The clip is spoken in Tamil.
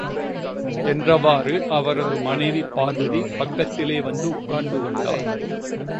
என்றவாறு அவரது மனைவி பார்வதி, பக்கத்திலே வந்து உட்கார்ந்து கொண்டாள்.